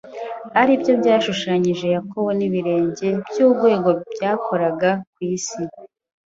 ari byo byashushanyirijwe Yakobo n’ibirenge by’urwego byakoraga ku isi